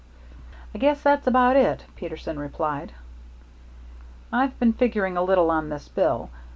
"I guess that's about it," Peterson replied. "I've been figuring a little on this bill.